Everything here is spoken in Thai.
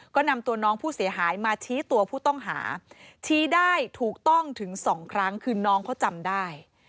ก็นำตัวน้องผู้เสียหายมาชี้ตัวผู้ต้องหาชี้ได้ถูกต้องถึงสองครั้งคือน้องเขาจำได้